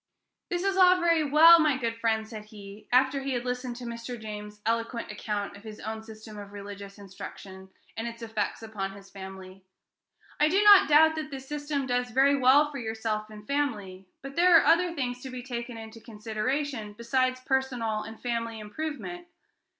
"This is all very well, my good friend," said he, after he had listened to Mr. James's eloquent account of his own system of religious instruction, and its effects upon his family, "I do not doubt that this system does very well for yourself and family; but there are other things to be taken into consideration besides personal and family improvement.